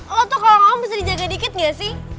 oh tuh kalau ngomong bisa dijaga dikit gak sih